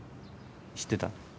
知ってた？